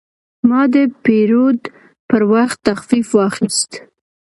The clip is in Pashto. ما د پیرود پر وخت تخفیف واخیست.